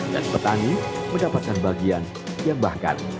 dan petani mendapatkan bagian yang bahkan